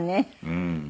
うん。